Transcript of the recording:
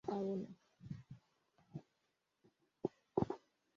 আম্মুকে মেসেজ দাও যে আমি আজ যাবো না।